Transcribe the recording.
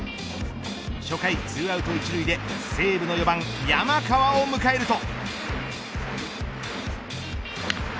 初回、２アウト１塁で西武の４番山川を迎えると。